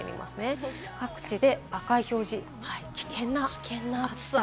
各地で赤い表示、危険な暑さ。